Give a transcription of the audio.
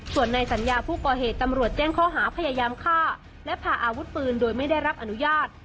ส่วนในสัญญาผู้ก่อเหตุตำรวจแจ้งข้อหาพยายามฆ่าและพาอาวุธปืนโดยไม่ได้รับอนุญาต